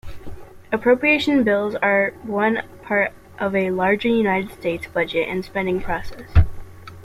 Appropriations bills are one part of a larger United States budget and spending process.